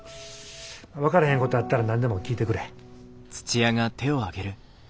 分かれへんことあったら何でも聞いてくれ。